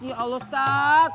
ya allah stat